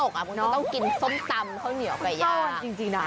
ใช่เลยจริงจริงน่ะ